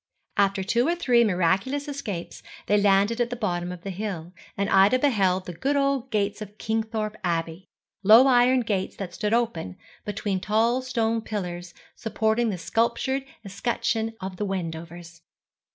After two or three miraculous escapes they landed at the bottom of the hill, and Ida beheld the good old gates of Kingthorpe Abbey, low iron gates that stood open, between tall stone pillars supporting the sculptured escutcheon of the Wendovers.